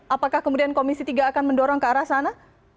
apakah kemudian komisi tiga akan mendorong ke arah sana